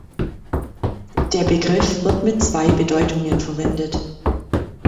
Der Begriff wird mit zwei Bedeutungen verwendet.